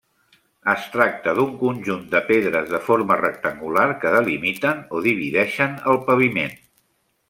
Es tracta d'un conjunt de pedres de forma rectangular que delimiten o divideixen el paviment.